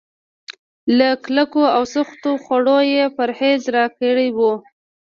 له کلکو او سختو خوړو يې پرهېز راکړی و.